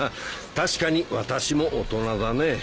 確かに私も大人だね。